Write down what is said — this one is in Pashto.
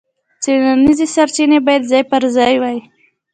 څېړنیزې سرچینې باید ځای پر ځای وای.